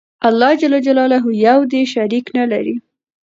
الله ج يو دى شريک نلري